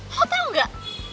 kau tau gak